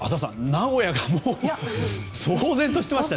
名古屋が騒然としていましたよ。